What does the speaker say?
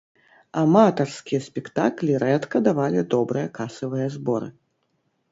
Аматарскія спектаклі рэдка давалі добрыя касавыя зборы.